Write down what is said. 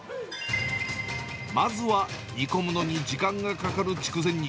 まずは煮込むのに時間がかかる筑前煮。